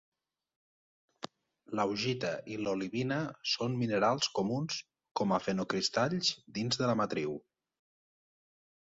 L'augita i l'olivina són minerals comuns com a fenocristalls dins de la matriu.